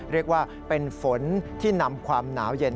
เรียกว่าเป็นฝนที่นำความหนาวเย็น